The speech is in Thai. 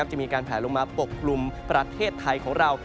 จะมีการแผลลงมาปกกลุ่มประเทศไทยของเรา